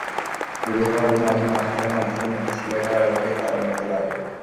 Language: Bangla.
দূরে হাওরের মাঝে মাছ ধরা মাঝিদের মুখে সিগারেটের আলোকে তারার মতো লাগে।